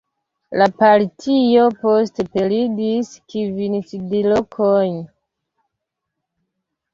La partio poste perdis kvin sidlokojn.